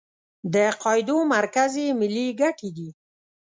د قاعدو مرکز یې ملي ګټې دي.